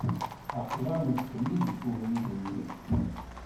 Aqlaɣ nettkemmil deg ubrid-nni.